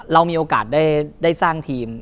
เรามีโอกาสได้สร้างทีม